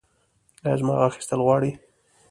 ایا زما غاښ ایستل غواړي؟